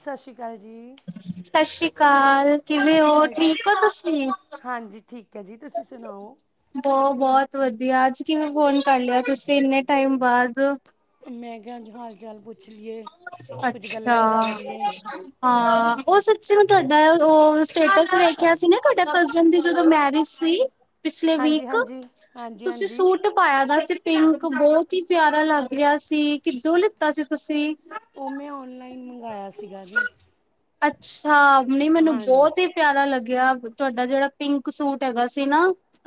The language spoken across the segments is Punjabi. ਸਤਿ ਸ਼੍ਰੀ ਅਕਾਲ ਜੀ। ਕਾਲ ਕਿਵੇਂ ਕੀ ਹੋ ਹਾਲ ਜੀ ਠੀਕ ਹੋ ਤੁਸੀਂ। ਹਾਂਜੀ ਠੀਕ ਹੈ ਜੀ ਤੁਸੀਂ ਸੁਣਾਓ। ਬਹੁ ਬਹੁਤ ਵਧੀਆ ਅੱਜ ਕਿਵੇਂ ਫੋਨ ਕਰ ਲਿਆ ਤੁਸੀਂ। ਤੰਨੇ ਟਾਈਮ ਬਾਅਦ ਮੈਂ ਕਿਹਾ ਅੱਜ ਹਾਲ ਚਾਲ ਪੁੱਛ ਲਈਏ ਕੁਝ ਅੱਛਾ ਗੱਲਾਂ ਹੀ ਕਰ ਲਈਏ ਹਾਂ ਉਹ ਉਸਦੀਂ ਤੁਹਾਡਾ ਉਹ ਸਟੇਟਸ ਵੇਖਿਆ ਸੀ ਨਾ ਤੁਹਾਡਾ ਕਜਨ ਦੀ ਜਦੋਂ ਮੈਰਿਜ ਸੀ। ਪਿਛਲੇ ਹਾਂਜੀ ਵੀਕ ਹਾਂਜੀ ਹਾਂਜੀ ਤੁਸੀਂ ਹਾਂਜੀ ਸੂਟ ਪਾਇਆ ਦਾ ਤੇ ਪਿੰਕ ਬਹੁਤ ਹੀ ਪਿਆਰਾ ਲੱਗ ਰਿਹਾ ਸੀ। ਕਿੱਦੋਂ ਲਿੱਤਾ ਸੀ ਤੁਸੀਂ? ਉਹ ਮੈਂ ਓਨਲਾਈਨ ਮੰਗਵਾਆ ਸੀਗਾ ਜੀ। ਅੱਛਾ। ਨ ਮੈਨੂੰ ਹਾਂਜੀ ਬਹੁਤ ਹੀ ਪਿਆਰਾ ਲੱਗਿਆ। ਗਿਆ ਤੁਹਾਡਾ ਜਿਹੜਾ ਪਿੰਕ ਸੂਟ ਹੈਗਾ ਸੀ ਨਾ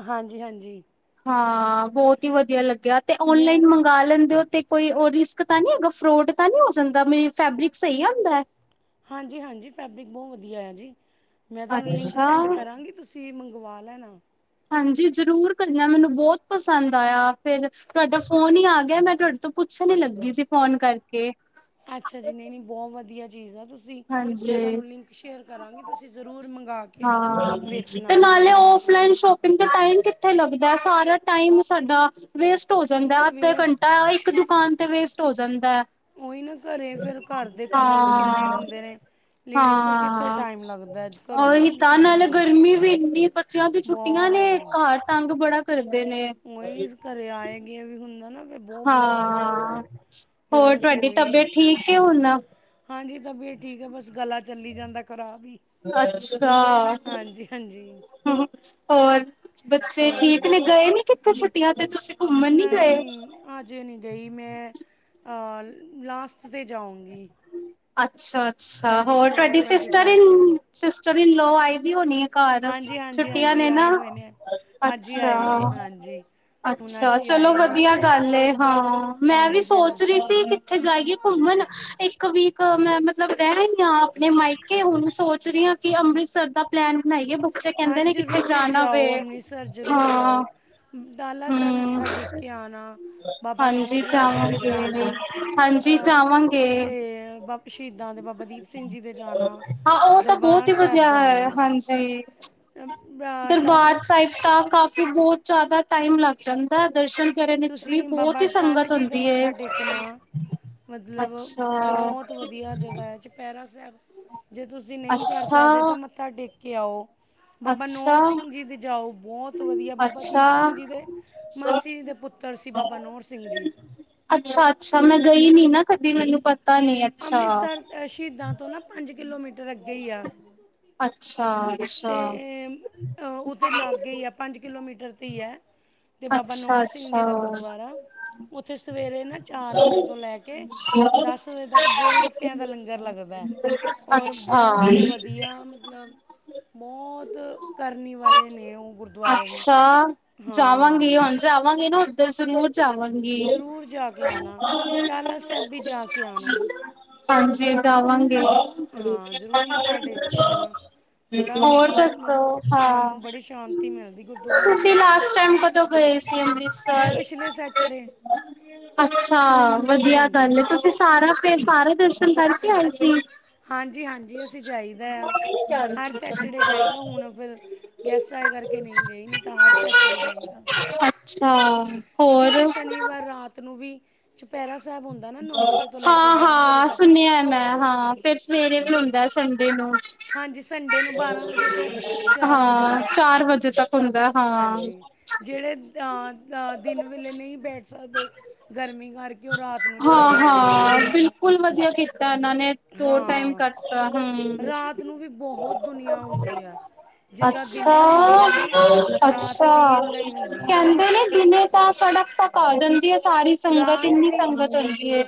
ਹਾਂਜੀ। ਹਾਂਜੀ। ਹਾਂ, ਬਹੁਤ ਹੀ ਵਧੀਆ ਲੱਗ ਆ ਤੇ ਮੈਂ ਔਨਲਾਈਨ ਮੰਗਵਾ ਲੈਂਦੇ ਹੋ। ਤੇ ਕੋਈ ਉਹ ਰਿਸਕ ਤਾਂ ਨਹੀਂ ਹੈਗਾ ਫਰੂਦ ਪਤਾ ਨਹੀਂ ਹੋ ਜਾਂਦਾ ਮੇਰੀ ਫੈਬਰਿਕ ਸਹੀ ਆਉਦਾ ਹੈ। ਹਾਂਜੀ। ਹਾਂਜੀ। ਫੈਬਰਿਕ ਬਹੁਤ ਵਧੀਆ ਆਇਆ ਜੇ। ਮੈਂ ਤੁਹਾਨੂੰ ਲਿੰਕ ਅੱਛਾ ਸੈਂਡ ਕਰਾਂਗੀ ਤੁਸੀਂ ਮੰਗਵਾ ਲੈਣਾ। ਹਾਂਜੀ। ਜ਼ਰੂਰ ਕਰਨਾ ਮੈਨੂੰ ਬਹੁਤ ਪਸੰਦ ਆਇਆ ਫਿਰ ਤੁਹਾਡਾ ਫੋਨ ਹੀ ਆ ਗਿਆ। ਮੈਂ ਤੁਹਾਡੇ ਤੋਂ ਪੁੱਛਣ ਲੱਗੀ ਸੀ ਫੋਨ ਕਰਕੇ। ਅੱਛਾ ਜੀ ਨਹੀਂ-ਨਹੀਂ ਬਹੁਤ ਵਧੀਆ ਚੀਜ਼ ਆ। ਤੁਸੀਂ ਹਾਂਜੀ ਮੈਂ ਤੁਹਾਨੂੰ ਲਿੰਕ ਸ਼ੇਅਰ ਕਰਾਂਗੀ ਤੁਸੀਂ ਜ਼ਰੂਰ ਮੰਗਾਵਾ ਕੇ ਹਾਂ ਵੇਖਣਾ। ਪਿੰਗ ਦਾ ਟਾਈਮ ਕਿੱਥੇ ਲੱਗਦਾ ਸਾਰਾ ਟਾਈਮ ਸਾਡਾ ਵੇਸਟ ਹੋ ਜਾਂਦਾ ਅੱਧਾ ਵੇਸ ਘੰਟਾ ਇੱਕ ਦ ਦੁਕਾਨ ਤੇ ਵੇਸਟ ਹੋ ਜਾਂਦਾ ਹੈ। ਉਹੀ ਨਾ ਘਰੇ ਫੇਰ ਘਰ ਦੇ ਕੰਮ ਵੀ ਕਿੰਨੇ ਹਾਂ ਹੁੰਦੇ। ਨੇ ਲੇਡੀਜ਼ ਕੋਲ ਕਿੱਥੇ ਹਾਂ, ਟਾਈਮ ਲੱਗਦਾ ਹੈ ਘਰੋਂ ਉਹੀ ਬਾਹਰ ਤਾਂ ਨਿਕਲਣ ਨਾਲੇ ਦਾ ਗਰਮੀ ਵੀ [unintelligible] ਬੱਚਿਆਂ ਦੀ ਛੁੱਟੀਆਂ ਨੇ ਬਹੁਤ ਘਰ ਤੰਗ ਬੜਾ ਕਰਦੇ ਨੇ। ਉਹੀ ਘਰੇ ਆਏਗੀ ਵੀ ਹੁੰਦਾ ਨਾ ਫਿਰ ਬਹੁਤ ਬੁਰਾ ਹਾਲ ਹੁੰਦਾ ਹਾਂ। ਫਿਰ ਹੋਰ ਤੁਹਾਡੀ ਰਸੋਈ ਤਬੀਅਤ ਠੀਕ ਹੈ ਹੁਣ। ਹਾਂਜੀ। ਤਾਂ ਵੀ ਇਹ ਠੀਕ ਹੈ। ਬਸ ਗਲਾ ਚੱਲੀ ਜਾਂਦਾ ਖਰਾਬ ਹੀ ਅੱਛਾ। ਹਾਂਜੀ ਹਾਂਜੀ ਹੋਰ। ਬੱਚੇ ਹੋਰ ਬਸ। ਠੀਕ ਨੇ। ਗਏ ਨੀ ਕਿਤੇ ਛੁੱਟੀਆਂ ਤੇ ਤੁਸੀਂ ਘੁੰਮਣ ਨੀ ਗਏ? ਨਹੀਂ। ਅਜੇ ਨਹੀਂੀ ਗਈ ਮੈਂ ਲਾਸਟ ਤੇ ਜਾਉਂਗੀ। ਅੱਛਾ। ਅੱਛਾ, ਅੱਛਾ। ਹੋਰ ਤੁਹਾਡੀ ਸਿਸਟਰ ਤੱਕ ਚਲੀ ਲੋਅ ਆਈ ਦੀ ਹੋਣੀ ਹੈ। ਘਰ ਹਾਂਜੀ ਹਾਂਜੀ ਛੁੱਟੀਆਂ ਹਾਂਜੀ ਨੇ ਨਾ ਆਏ ਹੋਏ ਨੇ ਅੱਜ ਹੀ ਆਏ ਨੇ ਅੱਛਾ, ਹਾਂਜੀ ਹੁਣ ਅੱਛਾ ਅੱਜ ਹੀ ਚਲੋ ਆਏ ਨੇ ਵਧੀਆ ਗੱਲ ਆ। ਹਾਂ ਮੈਂ ਵੀ ਹਾਂਜੀ ਪਹਿਲਾਂ ਸੋਚ ਰਹੀ ਸੀ ਉੱਥੇ ਜਾਈਏ ਘੁੰਮਣ ਇੱਕ ਵੀ ਮੈਂ ਮਤਲਬ ਰਹਿ ਰਹੀ ਹਾਂ ਆਪਣੇ ਮਾਇਕੇ ਹੁਣ ਸੋਚ ਰਹੀ ਹਾਂ ਕਿ ਅੰਮ੍ਰਿਤਸਰ ਦਾ ਪਲੈਨ ਬਣਾਈ ਹਾਏ ਜ਼ਰੂਰ ਜਾਓ ਅੰਮ੍ਰਿਤਸਰ ਜ਼ਰੂਰ ਹਾਂ ਜਾਓ ਡਾਲਾ ਸਾਹਿਬ ਹਮ ਮੱਥਾ ਟੇਕ ਕੇ ਆਉਣਾ ਬਾਬਾ ਨੌਰ ਹਾਂਜੀ ਸਾਹਿਬ ਜੀ ਦੇ ਜਾਵਾਂਗੇ ਜਾਣਾ ਹਾਂਜੀ ਜਾਵਾਂਗੇ ਅਤੇ ਸ਼ਹੀਦਾਂ ਦੇ ਬਾਬਾ ਦੀਪ ਸਿੰਘ ਜੀ ਦੇ ਜਾਣਾ ਹਾਂ ਉਹ ਤਾਂ ਬਹੁਤ ਦਰਬਾਰ ਹੀ ਸਾਹਿਬ ਵਧੀਆ ਜਾਣਾ। ਹੈ ਹਾਂਜੀ ਅ, ਦਰਬਾਰ ਟਾਲਾ ਸਾਹਿਬ ਤਾਂ ਕਾਫੀ ਬਹੁਤ ਜ਼ਿਆਦਾ ਟਾਈਮ ਲੱਗ ਜਾਂਦਾ ਦਰਸ਼ਨ ਕਰਨ ਵਿੱਚ ਵੀ ਤੁਸੀਂ ਬਹੁਤ ਬਾਬਾ ਹੀ ਅਟੱਲ ਸੰਗਤ ਜੀ ਦਾ ਹੁੰਦੀ ਹੈ। ਮੱਥਾ ਟੇਕਣਾ ਹੁ ਵਧੀਆ ਜਗ੍ਹਾ ਹੈ। ਚ ਤਰਸ। ਜੇ ਤੁਸੀਂ ਨਹੀਂ ਕਰ ਅੱਛਾ, ਸਕਦੇ ਤਾਂ ਮੱਥਾ ਟੇਕ ਕਿਿਆਓ। ਬਾਬਾ ਅੱਛਾ, ਨੋੌਰ ਸਿੰਘ ਜੀ ਦੇ ਜਾਓ ਬਹੁਤ ਵਧੀਆ ਬਾਬਾ ਅੱਛਾ। ਦੀਪ ਸਿੰਘ ਜੀ ਦੇ ਮਾਸੀ ਜੀ ਦੇ ਪੁੱਤਰ ਸੀ ਬਾਬਾ ਨੋਹਰ ਸਿੰਘ ਜੀ। ਅੱਛਾ, ਅੱਛਾ ਮੈਂ ਗਈ ਨੀ ਨਾ ਕਦੀ ਮੈਨੂੰ ਪਤਾ ਨੀ ਅੱਛਾ। ਅੰਮ੍ਰਿਤਸਰ ਸ਼ਹੀਦਾਂ ਤੋਂ ਨਾ ਪੰਜ ਕਿਲੋਮੀਟਰ ਅੱਗੇ ਹੀ ਆ ਅੱਛਾ। ਅੱਛਾ, ਤੇ ਉੱਥੇ ਲਾਗੇ ਹੀ ਆ ਪੰਜ ਕਿਲੋਮੀਟਰ। [inaudible] ਤੇ ਬਾਬਾ ਅੱਛਾ, ਨੋੌਰ ਸਿੰਘ ਅੱਛਾ। ਜੀ ਦਾ ਗੁਰਦੁਆਰਾ ਉੱਥੇ ਸਵੇਰੇ ਨਾ ਚਾਰ ਵਜੇ ਤੋਂ ਲੈ ਕੇ ਦਸ ਵਜੇ ਤੱਕ ਗੋਲ ਗੱਪਿਆਂ ਦਾ ਲੰਗਰ ਲੱਗਦਾ ਔਰ ਅੱਛਾ, ਬਹੁਤ ਵਧੀਆ ਮਤਲਬ [inaudible] ਅੱਛਾ। [inaudible] ਾਂਗੇ ਨਾ ਉੱਰੂਰ ਚਵਾਂਗੀ ਜ਼ਰੂਰ ਜਾ ਕੇ ਆਉਣਾ ਟਾਲਾ ਸਾਹਿਬ ਵੀ ਜਾ ਕੇ ਆਉਣਾ ਪੰਜ ਹਜ਼ਵਾਂ ਹਾਂ ਜ਼ਰੂਰ ਮੱਥਾ ਟੇਕ ਕੇ ਆਉਣਾ ਬੜਾ ਹੋਰ ਵਧੀਆ ਦੱਸ ਮਨ ਨੂੰ ਬੜੀ ਸ਼ਾਂਤੀ ਮਿਲਦੀ ਗੁਰਦੁਆਰੇ ਤੁਸੀਂ ਜਾ ਕੇ ਲਾਸਟ [unintelligible] ਮੈਂ ਅੰਮ੍ਰਿਤਸਰ ਪਿਛਲੇ ਸੈਚਰਡੇ ਅੱਛਾ ਵਧੀਆ ਹਾਂਜੀ ਗੱਲ ਤੁਸੀਂ ਸਾਰਾ ਸਾਰਾ ਦਰਸ਼ਨ ਕਰਕੇ ਆਏ ਸੀ ਹਾਂਜੀ ਹਾਂਜੀ ਅਸੀਂ ਜਾਈਦਾ ਆ ਹਰ ਸੈਚੜੇ ਜਾਈਦਾ ਹੁਣ ਫਿਰ ਗੈਸਟ ਆਏ ਕਰਕੇ ਨਹੀਂ ਗਏ ਨੀ ਤਾਂ ਹਰ ਸਚੜ ਜਾਈਦਾ ਹਾਂ ਕਿਉਂਕਿ ਉੱਥੇ ਸ਼ਨੀਵਾਰ ਰਾਤ ਨੂੰ ਵੀ ਚੁਪਹਿਰਾ ਸਾਹਿਬ ਹੁੰਦਾ ਨਾ ਨੌ ਵਜੇ ਤੋਂ ਲੈ ਕੇ ਹਾਂ ਬਾਰ੍ਹਾਂ ਵਜੇ ਹਾਂ ਤੱਕ ਸੁਣਿਆ ਮੈਂ ਹਾਂ ਫੇਿਰ ਸਵੇਰੇ ਵੀ ਹਉਂਦਾ ਕਹਿੰਦੇ ਨੂੰ ਹਾਂਜੀ ਸੰਡੇ ਨੂੰ ਬਾਰਾਂ ਵਜੇ ਤੋਂ ਚਾਰ ਵਜੇ ਹਾਂ ਤੱਕ ਚਾਰ ਵਜੇ ਤੱਕ ਹੁੰਦਾ ਹਾਂ। ਹਾਂਜੀ ਜਿਹੜੇ ਅਹ ਦਿਨ ਵੇਲੇ ਨਹੀਂ ਬੈਠ ਸਕਦੇ ਗਰਮੀ ਕਰਕੇ ਉਹ ਰਾਤ ਨੂੰ ਚਲੇ ਜਾਂਦੇ ਨੇ ਸਕੂਲ ਮ ਇਹਨਾਂ ਨੇ ਦੋ ਟਾਈਮ ਹਾਂ ਕੱਟਤਾ ਹਮ ਰਾਤ ਨੂੰ ਵੀ ਬਹੁਤ ਦੁਨੀਆ ਹੁੰਦੀ ਆ ਜਿੱਦਾਂ ਅੱਛਾ ਦਿਨੇ ਹੁੰਦੀ ਆ ਨਾ ਰਾਤ ਅੱਛਾ ਵੀ ਇਦਾਂ ਹੀ ਹੁੰਦੀ ਆ ਕਹਿੰਦੇ ਨੇ ਦਿਨੇ ਲਗ ਕ ਹੈ ਸਾਰੀ ਸੰਗਤ ਰਾਤ ਇੰਨੀ ਵੀ ਸੰਗਤ ਹੁੰਦੀ ਏ।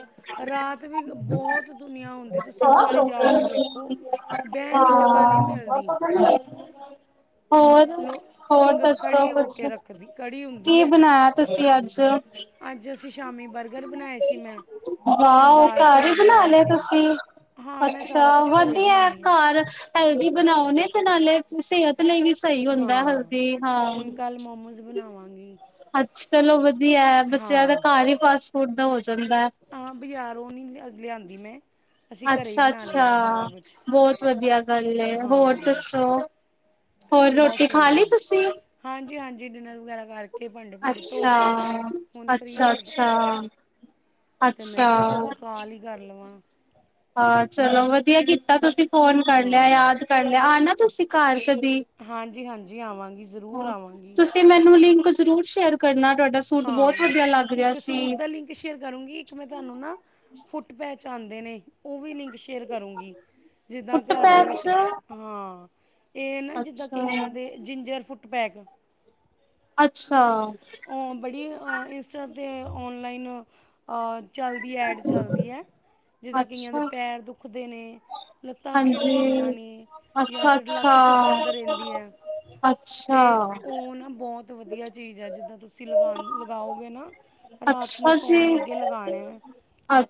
ਰਾਤ ਵੀ ਬਹੁਤ ਦੁਨੀਆਂ ਹੁੰਦੀ ਤੁਸੀਂ ਇੱਕ ਵਾਰੀ ਜਾ ਕੇ ਵੇਖੋ ਬਹਿਣ ਨੂੰ ਜਗ੍ਹਾ ਨਹੀਂੀ ਹਾਂ, ਮਿਲਦੀ ਹੋਰ ਲੋ ਹੋਰ ਸੰਗਤ ਦੱਸੋ ਖੜੀ ਹੋ ਕੁਛ? ਕੇ ਰੱਖਦੀ ਖੜੀ ਹੁੰਦੀ ਕੀ ਹੈ ਬਣਾਇਆ ਅੱਜ ਅਸੀਂ ਸ਼ਾਮ ਆਾਹ ਹੁਣ ਉਹ ਦਾਲ ਘਰ ਹੀ ਚੌਲ ਬਣਾ ਬਣਾਏ ਲਏ ਸੀ ਤੁਸੀਂ ਹਾਂ ਮੈਂ ਅੱਛਾ ਸਾਰਾ ਕੁਝ ਘਰੇ ਹੀ ਵਧੀਆ ਬਣਾਉਣੀ ਹਾਂ ਘਰ ਹੈਲਦੀ ਬਣਾਓ ਨੇ ਤੇ ਨਾਲੇ [unintelligible] ਲਈ ਵੀ ਸਹੀ ਹੁੰਦਾ ਹਾਂ ਹਲਦੀ ਹਾਂ ਹੁਣ ਕੱਲ ਮੋਮੋਜ਼ [unintelligible] ਅੱਜ ਕਲ ਉਹ ਵਧੀਆ ਵੀ ਹੈ ਬੱਚਿਆਂ ਦੇ ਹਾਂ ਘਰ ਹੀ ਪਾਸਪੋਰਡ [unintelligible] ਹਾਂ ਬਜ਼ਾਰੋਂ ਨਹੀਂ ਲਿਆਂਦੀ ਮੈਂ। ਅਸੀਂ ਘਰੇ ਹੀ ਅੱਛਾ ਬਣਾ -ਅੱਛਾ, ਲਈਦਾ ਸਾਰਾ ਕੁਛ ਬਹੁਤ ਵਧੀਆ ਗੱਲ ਹੈ। ਹੋਰ ਹਾਂ ਦੱਸੋ, ਹੋਰ ਰੋਟੀ ਬਸ ਖਾ ਲਈ ਵਧੀਆ ਤੁਸੀਂ?, ਹਾਂਜੀ ਹਾਂਜੀ ਡਿਨਰ ਵਗੈਰਾ ਕਰਕੇ ਭਾਂਡੇ ਭੂੰਡੇ ਧੋ ਅੱਛਾ, ਕੇ ਹੁਣ ਫ੍ਰੀ ਹੋ ਕੇ ਅੱਛਾ-ਅੱਛਾ। ਬੈਠੇ ਸੀ ਤੇ ਮੈਂ ਕਿਹਾ ਚੱਲ ਕਾਲ ਹੀ ਕਰ ਲਵਾਂ। ਹਾਂ ਚਲੋ ਵਧੀਆ ਕੀਤਾ ਤੁਸੀਂ ਫੋਨ ਕਰ ਲਿਆ ਹਾਂ ਯਾਦ ਕਰ ਲਿਆ। ਹਾਂ ਨਾ ਤੁਸੀਂ ਘਰ ਕਦ ਹਾਂਜੀ ਹਾਂਜੀ ਆਵਾਂਗੀ ਜ਼ਰੂਰ ਹਾਂ ਆਵਾਂਗੀ। ਤੁਸੀਂ ਮੈਨੂੰ ਲਿੰਕ ਜ਼ਰੂਰ ਸ਼ੇਅਰ ਕਰਨਾ ਤੁਹਾਡਾ ਸੂਟ ਬਹੁਤ ਹਾਂ ਵਧੀਆ ਲੱਗ ਰਿਹਾ ਇੱਕ ਸੂਟ ਸੀ ਦਾ ਲਿੰਕ ਸ਼ੇਅਰ ਕਰੂੰਗੀ, ਇੱਕ ਮੈਂ ਤੁਹਾਨੂੰ ਨਾ ਫੁੱਟਪੈਚ ਚਾਂਦੇ ਨੇ, ਉਹ ਵੀ ਲਿੰਕ ਸ਼ੇਅਰ ਕਰੂੰਗੀ। ਜਿੱਦਾਂ ਪੁੱਟ ਘਰ ਦੇ ਪੈਚ ਵਿੱਚ, ਹਾਂ। ਇਹ ਨਾ ਜਿੱਦਾਂ ਅੱਛਾ ਕਈਆਂ ਦੇ ਜਿੰਜਰ ਫੁਟ ਪੈਕ ਅੱਛਾ ਉਹ ਬੜੀ ਇੰਸਤਾ ਤੇ ਔਨਲਾਈਨ ਔਰ ਚਲਦੀ ਐਡ ਚਲਦੀ ਹੈ। ਜਿੱਦਾਂ ਕਈਆਂ ਦੇ ਅੱਛਾ ਪੈਰ ਦੁੱਖਦੇ ਨੇ ਲੱਤਾਂ ਪੀੜ ਹੁੰਦੀਆਂ ਹਾਂਜੀ ਨੇ ਜਾਂ ਅੱਛਾ ਫਿਰ ਲੱਕ 'ਚ ਅੱਛਾ ਦਰਦ ਰਹਿੰਦੀ ਹੈ, ਤੇ ਅੱਛਾ ਉਹ ਨਾ ਬਹੁਤ ਵਧੀਆ ਚੀਜ਼ ਹੈ ਜ ਤੁਸੀਂ ਲਗਾ ਲਗਾਉਗੇ ਨਾ ਰਾਤ ਨੂੰ ਅੱਛਾ ਜੀ ਸੌਣ ਲੱਗੇ ਲਗਾਉਣੇ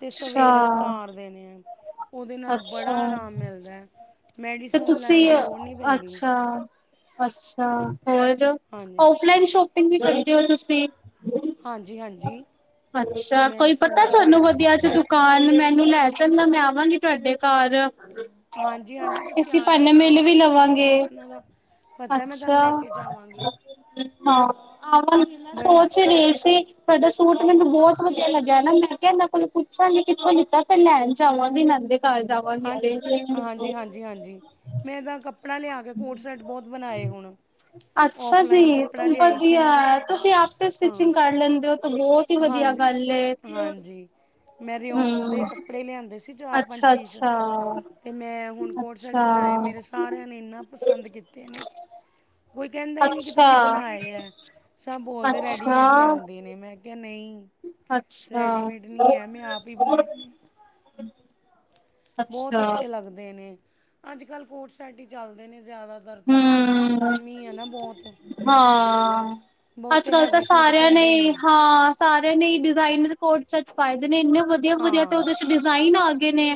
ਤੇ ਸਵੇਰੇ ਉਤਾਰ ਦੇਣੇ ਆ। [inaudible] ਉਹਦੇ ਨਾਲ ਬੜਾ ਅੱਛਾ ਆਰਾਮ ਮਿਲਦਾ ਹੈ। ਤੇ ਮੈਡੀਸਨ ਲੈਣ ਤੁਸੀਂ, ਦੀ ਲੋੜ ਨਹੀਂ ਪੈਂਦੀ ਅੱਛਾ ਅੱਛਾ ਹੋਰ ਜੋ, ਹਾਂਜੀ ਔਫਲਾਈਨ ਸ਼ੋਪ ਵੀ ਕਰਦੇ ਹੋ ਤੁਸੀਂ ਹਾਂਜੀ ਹਾਂਜੀ ਜੀ। ਅੱਛਾ ਕੋਈ ਪਤਾ ਤੁਹਾਨੂੰ ਵਧੀਆ ਚ ਕਲ ਮੈਨੂੰ ਲੈ ਚਲਣਾ ਮੈਂ ਆਵਾਂਗੀ ਤੁਹਾਡੇ ਘਰ ਹਾਂਜੀ ਹਾਂਜੀ ਤੁਸੀਂ ਅਸੀਂ ਆਉਣਾ ਭਾਨੇ ਮੈਨੂੰ ਮੇਿਲ ਬੜਾ ਵੀ ਪਤਾ ਹੈ ਬੜੀਆਂ ਲਵਾਂਗੇ ਦੁਕਾਨਾਂ ਦਾ ਪਤਾ ਮੈਂ ਤੁਹਾਨੂੰ ਹਾਂ ਲੈ ਕੇ ਜਾਵਾਂਗੀ ਆਵਾਂਗੇ ਮੈਂ ਬੜੇ ਸੋਚ ਰਹੀ ਸੀ। [unintelligible] ਮੈਨੂੰ ਬਹੁਤ ਵਧੀਆ ਲੱਗਿਆਾ ਮੈਂ ਕਿਹਾ ਇਹਨਾਂ ਕੋਲ ਪੁੱਛਾਂਗੀ ਕਿੱਥੋਂਤਾ ਫਿਰ ਲੈਣ ਜਾਵਾਂਗੀ ਨ ਦੇ ਘਰ ਜਾਵਾਂਗੀ ਹਾਂ ਤੇ ਹਾਂਜੀ, ਹਾਂਜੀ, ਹਾਂਜੀ ਮੈਂ ਤਾਂ ਕੱ ਅੱਛਾ ਔਫਲਾਈਨ ਜੀ ਤ ਕੱਪੜਾ ਲਿਆਈ ਸੀ ਵਧੀਆ ਮੈਂ ਤੁਸੀਂ ਆਪੇ ਹਾਂ ਸਟਿਚਿੰਗ ਕਰ ਲੈਂਦੇ ਹੋ ਤ ਬਹੁਤ ਹੀ ਹਾਂ ਵਧੀਆ ਗੱਲ ਆ ਹਾਂਜੀ ਮੈਂ ਰਓਨ ਦੇ ਕੱਪੜੇ ਲਿਆਂਦੇ ਸੀ। ਚਾਰ, ਪੰਜ ਅੱਛਾ ਪੀਸ। ਅੱਛਾ ਤੇ ਮੈਂ ਹੁਣ ਕੋਡ ਸੈਟ ਅੱਛਾ ਬਣਾਏ ਮੇਰੇ ਸਾਰਿਆਂ ਨੇ ਇੰਨਾਂ ਪਸੰਦ ਕੀਤੇ ਨੇ। ਕੋਈ ਕਹਿੰਦਾ ਹੀ ਨਹੀਂ ਕਿ ਤੁਸੀਂ ਅੱਛਾ ਬਣਾਏ ਹੈ ਸਭ ਬੋਲਦੇ ਰੈਡੀਮੇਡ ਅੱਛਾ, ਲਿਆਂਂਦੇ ਨੇ। ਮੈਂ ਕਿਹਾ ਨਹੀਂ। ਅੱਛਾ। ਰੈਡੀਮੇਡ ਨਹੀਂ ਹੈ। ਮੈਂ ਆਪ ਹੀ ਬਣਾਏ ਨੇ। ਅੱਛਾ, ਬਹੁਤ ਅੱਛੇ ਲੱਗਦੇ ਨੇ। ਅੱਜ, ਕੱਲ ਕੋਡ ਸੈਟ ਹੀ ਚੱਲਦੇ ਨੇ। ਜ਼ਿਆਦਾਤਰ ਤਾਂ ਹਮ ਗਰਮੀ ਹੈ ਨਾ ਬਹੁਤ ਹਾ ਅੱਜ, ਬਹੁਤੇ ਕੱਲ ਤਾਂ ਹੈਵੀ ਸੂਟ ਸਾਰਿਆਂ ਪੈਂਦੇ ਨੇ ਨਹੀਂ ਹਾਂ ਸਾਰਿਆਂ ਨੇ ਡਿਜ਼ਾਇਨਰ ਕੋਡ ਸੈਟਸ ਪਾਏ ਦੇ ਨੇ ਇਹਨੇ ਵਧੀਆ, ਵਧੀਆ ਤੇ ਹਾਂ ਉਹਦੇ ਚ ਡਿਜ਼ਾਇਨ ਆ ਗਏ ਨੇ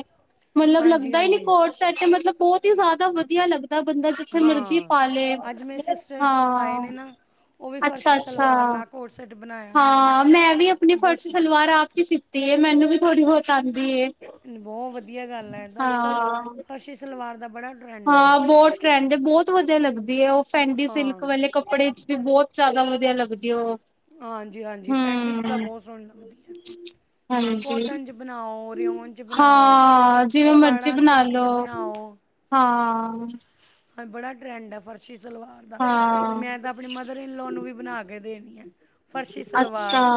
ਮਤਲਬ ਹਾਂਜੀ ਲੱਗਦਾ ਹੀ ਨੀ ਹਾਂਜੀ ਕੋਟ ਸਟ ਮਤਲਬ ਬਹੁਤ ਹੀ ਜ਼ਿਆਦਾ ਵਧੀਆ ਲੱਗਦਾ ਬੰਦਾ ਥੇ ਮਰਜ਼ੀ ਹਾਂ ਪਾ ਲਏ ਅੱਜ ਮੇਰੇ ਸਿਸਟਰ ਇਨ ਲੋ ਆਏ ਹਾਂ ਨੇ ਨਾ ਉਹ ਵੀ ਅੱਛਾ, ਫਰਸ਼ੀ ਅੱਛਾ ਸਲਵਾਰ ਨਾਲ ਕੋਟ ਸੈੱਟ ਬਣਾਇਆ ਉਹਨਾਂ ਨੇ ਹਾਂ ਮੈਂ ਵੀ ਆਪਣੇ ਬਹੁਤ ਫਰਸ਼ੀ ਸ ਸਲਵਾਰ ਆਪ ਕੇ ਸੀਤੀ ਤੇ ਇਹ ਮੈਨੂੰ ਵੀ ਥੋੜੀ ਬਹੁਤ ਆਉਂਦੀ ਏ। ਬਹੁਤ ਵਧੀਆ। ਵਧੀਆ ਗੱਲ ਹੈ। ਤਾਂ ਅੱਜ, ਕੱਲ੍ਹ ਹਾਂ, ਫਸ਼ੀ ਸਲਵਾਰ ਦਾ ਬੜਾ ਟਰੈਂਡ ਹੈ ਹਾਂ ਬਹੁਤ ਟਰੈਂਡ ਹੈ ਬਹੁਤ ਵਧੀਆ ਲੱਗਦੀ ਹੈ। ਉਹ ਫੈਂਡੀ ਸਿਲਕ ਹਾਂ ਵਾਲੇ ਕੱਪੜੇ ਚ ਵੀ ਬਹੁਤ ਚੱਲ ਵਦੀਆ ਲੱਗਦੀ ਏ ਉਹ ਹਾਂਜੀ, ਹਾਂਜੀ। ਫੈਂਡੀ 'ਚ ਤਾਂ ਹਮ ਬਹੁਤ ਸੋਹਣੀ ਲੱਗਦੀ ਹੈ। ਤੁਸੀਂ ਹਾਂਜੀ ਕੋਟਨ ਚ ਬਣਾਓ, ਰਿਓਨ ਚ ਬਣਾਓ ਹਾਂ ਜਿਵੇਂ ਮਰਜ਼ੀ ਉਹਪਾੜਾ ਬਣਾ ਸਿਲਕ ਚ ਲੋ ਬਣਾਓ ਹਾਂ। ਹਾਂ ਬੜਾ ਟਰੈਂਡ ਹੈ। ਫਰਸ਼ੀ ਸਲਵਾਰ ਦਾ, ਹਾਂ ਮੈਂ ਤਾਂ ਆਪਣੇ ਮਦਰ ਇਨਲੋ ਨੂੰ ਵੀ ਬਣਾ ਕੇ ਦੇਣੀ ਆ, ਫਰਸ਼ੀ ਅੱਛਾ ਸਲਵਾਰ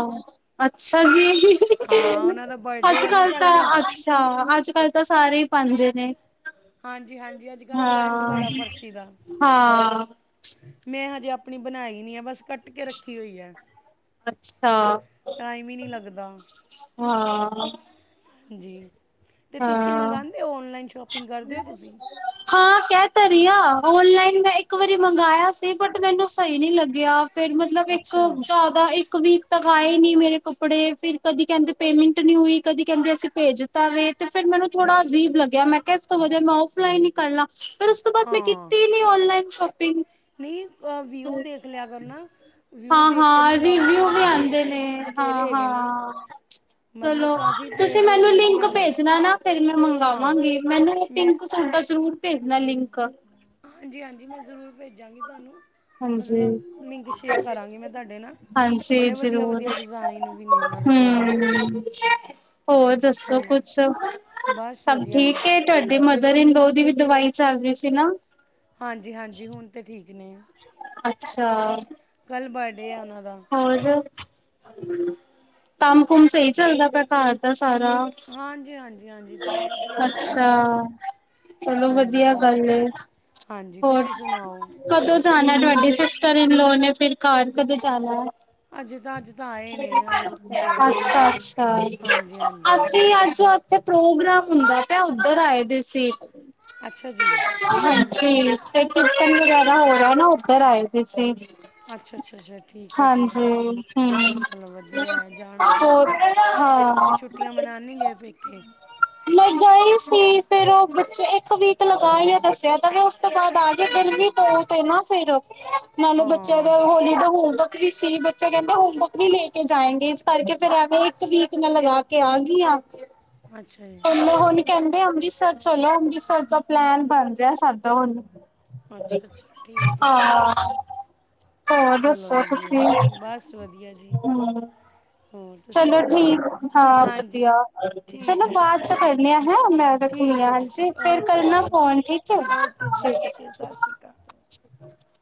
ਅੱਛਾ ਜੀ ਹਾਂ ਉਹਨਾਂ ਦਾ ਬਰਡੇ ਅੱਜ, ਹੈ ਨਾ ਕੱਲ ਕੱਲ੍ਹ ਤਾਂ ਨੂੰ ਅੱਛਾ ਅੱਜ, ਕੱਲ ਤਾਂ ਸਾਰੇ ਹੀ ਪਾਂਦੇ ਨੇ। ਹਾਂਜੀ-ਹਾਂਜੀ, ਹਾਂ-ਹਾਂ-ਹਾਂ। ਮੈਂ ਹਜੇ ਅਪ ਆਪਣੀ ਬਣਾਈ ਨਹੀਂ ਆ ਬਸ। ਕੱਟ ਕੇ ਰੱਖੀ ਹੋਈ ਐ ਅੱਛਾ ਟਾਈਮ ਹੀ ਨਹੀਂ ਲੱਗਦਾ। ਹਾਂ ਜੀ। ਤੇ ਤੁਸੀਂ ਹਾਂ ਮੰਗਾਦੇ ਹੋ ਔਨਲਾਈਨ ਸ਼ਾਪਿੰਗ ਕਰਦੇ ਹੋ ਤੁਸੀਂ? ਹਾਂ ਕੈ ਤੇ ਰਹੀ ਆ ਔਨਲਾਈਨ ਇੱਕ ਵਾਰੀ ਮੰਗਵਾਇਆ ਸੀ ਮੈਨੂੰ ਸਹੀ ਨਹੀਂ ਲੱਗਿਆ। ਫੇਰ ਮਤਲਬ ਇਕ ਤੋਂ ਅੱਛਾ ਜਿਆਦਾ ਇਕ। ਇਕ ਵੀਕ ਤੱਕ ਆਏ ਨੀ ਮੇਰੇ ਕੱਪੜੇ ਫਿਰ ਕਦੀ ਕਹਿੰਦੇ ਪੇਮੈਂਟ ਨਹੀਂ ਹੋਈ ਕਦੀ ਕਹਿੰਦੇ ਅਸੀਂ ਭੇਜਤਾ ਏ। ਤੇ ਫਿਰ ਮੈਨੂੰ ਥੋੜਾ ਅਜੀਬ ਲੱਗਿਆ ਮੈਂ ਕਿਹਾ ਇਸ ਤੋਂ ਵਧੀਆ ਮੈਂ ਔਫਲਾਈਨ ਹੀ ਕਰ ਲਾ। ਫੇਰ ਉਸ ਤੋਂ ਬਾਅਦ ਮੈਂ ਹਾਂ ਕੀਤੀ ਨੀ ਔਨਲਾਈਨ। ਸ਼ੋਪਿੰਗ। ਨਹੀਂ ਅ ਵਿਊ ਦੇਖ ਲਿਆ ਕਰ ਨਾ ਵਿਊ ਹਾਂ ਦੇਖ ਕੇ ਹਾਂ ਮੰਗਾਓ ਰਿਵਿਊ ਵੀ ਔਰਗੈਨਿਕ ਆਉਂਦੇ ਪੇਜ ਨੇ ਵੀ ਹਾਂ ਬਥੇਰੇ ਹੈਗੇ ਨੇ। ਹਾਂ ਚਲੋ ਮਤਲਬ ਕਾਫੀ ਤੁਸੀਂ ਪੇਜ ਮੈਨੂੰ ਲਿੰਕ ਵਧੀਆ ਨੇ ਭੇਜਨਾ ਨਾ ਫਿਰ ਮੈਂ ਹਾਂ ਮੰਗਾਵਾਂਗੀ ਮੈਨੂੰ ਇਕ ਮੈਂ ਪਿੰਕ ਸੂਟ ਦਾ ਜਰੂਰ ਭੇਜਨਾ ਲਿੰਕ। ਹਾਂਜੀ ਹਾਂਜੀ ਮੈਂ ਜ਼ਰੂਰ ਭੇਜਾਂਗੀ ਤੁਹਾਨੂੰ। ਮਤਲਬ ਲਿੰਕ ਸ਼ੇਅਰ ਕਰਾਂਗੀ ਮੈਂ ਤੁਹਾਡੇ ਨਾਲ ਹਾਂਜੀ-ਹਾਂਜੀ ਬੜੇ ਵਧੀਆ ਜ਼ਰੂਰ ਵਧੀਆ ਡਿਜ਼ਾਈਨ ਵੀ ਨੇ ਉਹਨਾਂ ਦੇ ਕੋਲ ਹੂੰ, ਹੋਰ ਦੱਸੋ ਹਾਂਜੀ ਕੁਛ ਬਸ ਸਭ ਵਧੀਆ ਠੀਕ ਹੈ? ਤੁਹਾ ਮੇਰੀ ਮਦਰਇਨਲੋ ਦੀ ਵੀ ਦਵਾਈ ਚੱਲ ਰਹੀ ਸੀ ਨਾ। ਹਾਂਜੀ-ਹਾਂਜੀ ਹੁਣ ਤੇ ਠੀਕ ਨੇ। ਅੱਛਾ। ਕੱਲ ਬ ਥਡੇ ਉਹਨਾਂ ਦਾ, ਹੋਰ ਕੰਮ ਕੁੰਮ ਸਹੀ ਚਲਦਾ ਪਿਆ ਘਰ ਦਾ ਸਾਰਾ ਹਾਂਜੀ-ਹਾਂਜੀ, ਅੱਛਾ ਚਲੋ ਹਾਂਜੀ ਵਧੀਆ ਸਭ ਗੱਲ ਏ ਹਾਂਜੀ ਹੋਰ ਤੁਸੀਂ ਸੁਣਾਓ ਕਦੋ ਕੀ ਜਾਨਾ ਬਣਾ ਤੁਹਾਡੀ ਸਿਸਟਰ? ਦੀਦੀ ਹੋਰ ਨੇ ਫਿਰ ਘਰ ਕਦੋਂ ਜਾਣਾ? ਅਜੇ ਤਾਂ ਅੱਜ ਤਾਂ ਆਏ ਨੇ ਹਾਲੇ ਰੁਕੂਗੇ ਅੱਛਾ-ਅੱਛਾ ਹਾਂਜੀ ਹਾਂਜੀ ਅਸੀਂ ਅੱਜ ਤੇ ਪ੍ਰੋਗਰਾਮ ਹੁੰਦਾ ਪਿਆ ਉਧਰ ਆਏ ਦੇ ਸੀ। ਅੱਛਾ ਜੀ ਹਾਂਜੀ ਤੇ [inaudible] ਹੋਰ ਨਾ ਉੱਧਰ ਆਏ ਦੇ ਸੀ। ਅੱਛਾ ਅੱਛਾ ਅੱਛਾ ਠੀਕ ਹੈ ਠੀਕ ਹੈ। ਹਾਂਜੀ ਹੂੰ ਚਲੋ ਵਧੀਆ ਹੈ ਜਾਣਾ ਹੋਰ ਚਾਹੀਦਾ ਤੁਸੀਂ ਹਾਂ ਛੁੱਟੀਆਂ ਮਨਾਉਣ ਨਹੀਂ ਗੲ ਪੇਕੇ ਮੈ ਗਈ ਸੀ ਫਿਰ ਉਹ ਬੱਚੇ ਇੱਕ ਵੀਕ ਲਗਾ ਲੇਆ ਦੱਸਿਆ ਤਾਂ ਵੇ ਉਸ ਤੋਂ ਬਾਅਦ ਆ ਗਏ ਦਿਨ ਵੀ ਬਹੁਤ ਨਾ ਫਿਰ। ਨਾਲੇ ਬੱਚਿਆਂ ਦਾ ਹਾਂ ਹੋਲੀਡੇ ਹੋਮਵਰਕ ਵੀ ਸੀ ਬੱਚੇ ਕਹਿੰਦੇ ਹੋਮਵਰਕ ਨੀ ਲੇ ਕੇ ਜਾਏਂਗੇ। ਇਸ ਕਰਕੇ ਫਿਰ ਐਵੇਂ ਇੱਕ ਵੀਕ ਮੈ ਲਗਾ ਕੇ ਆਗੀ ਆਂ। ਅੱਛਾ ਜੀ। ਕਹਿੰਦੇ ਅੰਮ੍ਰਿਤਸਰ ਚਲੋ, ਅੰਮ੍ਰਿਤਸਰ ਦਾ ਪਲੈਨ ਬਣ ਰਿਹਾ ਸਾਡਾ ਹੁਣ। ਅੱਛਾ ਅੱਛਾ ਠੀਕ ਹੈ ਹਾਂ ਠੀਕ ਹੈ ਹੋਰ ਚਲੋ ਦੱਸੋ ਵਧੀਆ ਤੁਸੀਂ? ਬਸ ਵਧੀਆ ਜੀ। ਹੋਰ ਤੁਸੀਂ ਸੁਣਾਓ ਹਾਂਜੀ ਠੀਕ ਹੈ ਜੀ [unintelligible] ਠੀਕ ਹੈ ਜੀ ਠੀਕ ਓਕੇ ਜੀ ਓਕੇ ਜੀ ਓਕੇ ਸਤਿ ਸ਼੍ਰੀ ਅਕਾਲ [unintelligible]